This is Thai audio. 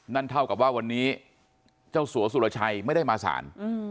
นั่นเท่ากับว่าวันนี้เจ้าสัวสุรชัยไม่ได้มาสาร